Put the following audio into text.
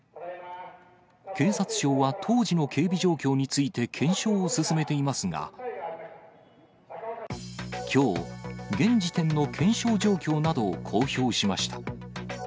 警察庁は当時の警備状況について検証を進めていますが、きょう、現時点の検証状況などを公表しました。